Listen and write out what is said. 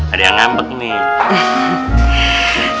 ada yang ngambek nih